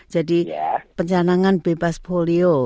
jadi pencanangan bebas polio